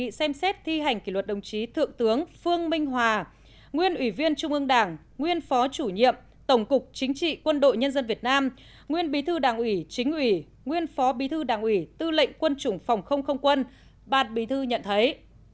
bộ chính xét thi hành kỷ luật đồng chí thượng tướng phương minh hòa nguyên ủy viên trung ương đảng nguyên phó chủ nhiệm tổng cục chính trị quân đội nhân dân việt nam nguyên bí thư đảng ủy chính ủy nguyên phó bí thư đảng ủy tư lệnh quân chủng phòng không không quân bạt bí thư nhận thấy